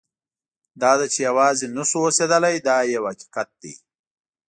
دا ده چې یوازې نه شو اوسېدلی دا یو حقیقت دی.